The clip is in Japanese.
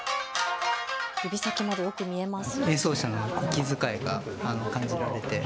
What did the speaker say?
指先までよく見えます。